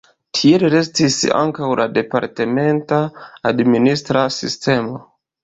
Tiel restis ankaŭ la departementa administra sistemo.